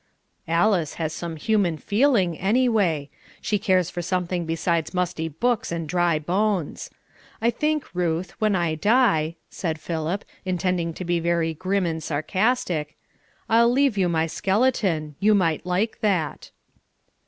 "Alice has some human feeling, anyway. She cares for something besides musty books and dry bones. I think, Ruth, when I die," said Philip, intending to be very grim and sarcastic, "I'll leave you my skeleton. You might like that."